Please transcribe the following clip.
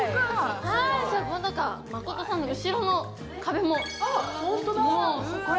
誠さんの後ろの壁も。